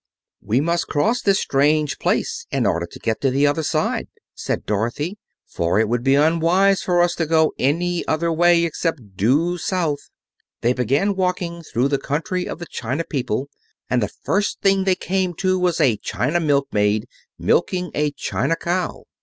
"We must cross this strange place in order to get to the other side," said Dorothy, "for it would be unwise for us to go any other way except due South." They began walking through the country of the china people, and the first thing they came to was a china milkmaid milking a china cow.